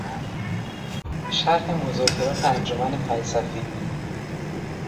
شرح مذاکرات انجمن فلسفی